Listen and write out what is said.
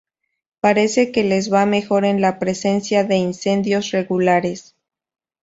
Parece que les va mejor en la presencia de incendios regulares.